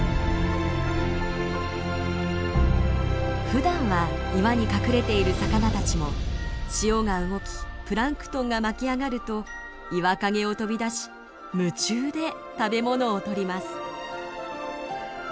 ふだんは岩に隠れている魚たちも潮が動きプランクトンが巻き上がると岩陰を飛び出し夢中で食べ物を取ります。